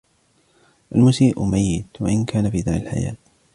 الْمُسِيءُ مَيِّتٌ وَإِنْ كَانَ فِي دَارِ الْحَيَاةِ